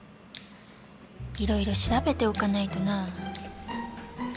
いろいろ調べておかないとなあ。